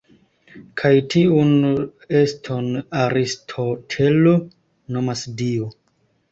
Kaj tiun eston Aristotelo nomas Dio.